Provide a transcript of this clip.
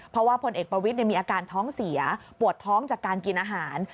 เพราะว่าพลเอกประวิทย์มีอาการท้องเสียปวดท้องจากการกินอาหาร